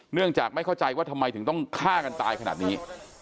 เนื่องจากไม่เข้าใจว่าทำไมถึงต้องฆ่ากันตายขนาดนี้